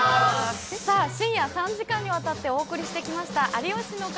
さあ、深夜３時間にわたってお送りしてきました、有吉の壁。